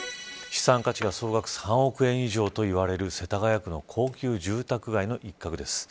資産価値が総額３億円以上といわれる世田谷区の高級住宅街の一角です。